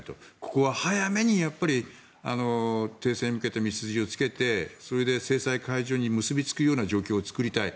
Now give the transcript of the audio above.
ここは早めに停戦に向けて道筋をつけてそれで制裁解除に結びつくような状況を作りたい。